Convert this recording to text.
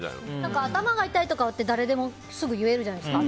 頭が痛いとかって誰でも言えるじゃないですか。